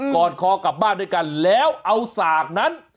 อดคอกลับบ้านด้วยกันแล้วเอาสากนั้น